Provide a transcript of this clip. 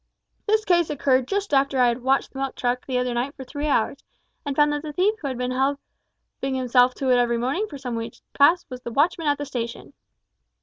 This case occurred just after I had watched the milk truck the other night for three hours, and found that the thief who had been helping himself to it every morning for some weeks past was the watchman at the station."